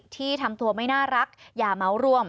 ที่ทำตัวไม่น่ารักอย่าเมาร่วม